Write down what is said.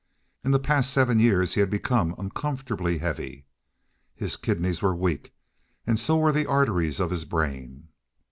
In the past seven years he had become uncomfortably heavy. His kidneys were weak, and so were the arteries of his brain.